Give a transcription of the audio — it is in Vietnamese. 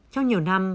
trong nhiều năm